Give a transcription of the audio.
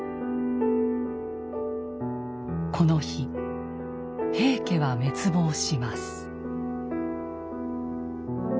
この日平家は滅亡します。